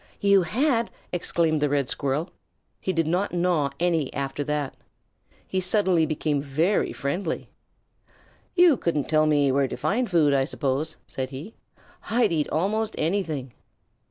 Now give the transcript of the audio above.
"You had!" exclaimed the Red Squirrel. He did not gnaw any after that. He suddenly became very friendly. "You couldn't tell me where to find food, I suppose," said he. "I'd eat almost anything."